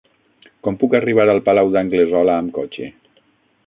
Com puc arribar al Palau d'Anglesola amb cotxe?